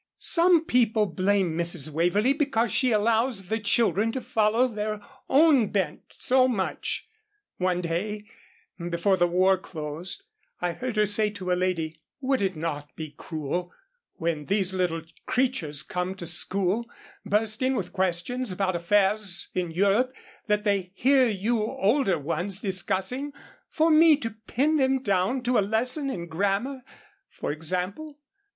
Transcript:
Some people blame Mrs. Waverlee because she allows the children to follow their own bent so much. One day, before the war closed, I heard her say to a lady, "Would it not be cruel when these little creatures come to school, bursting with questions about affairs in Europe that they hear you older ones discussing, for me to pin them down to a lesson in grammar, for example?